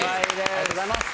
ありがとうございます。